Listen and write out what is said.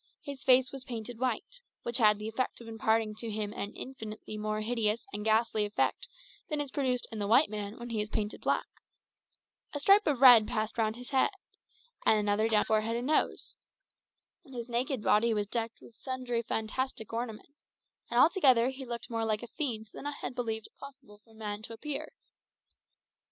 His face was painted white, which had the effect of imparting to him an infinitely more hideous and ghastly aspect than is produced in the white man when he is painted black. A stripe of red passed round his head, and another down his forehead and nose. His naked body was decked with sundry fantastic ornaments, and altogether he looked more like a fiend than I had believed it possible for man to appear.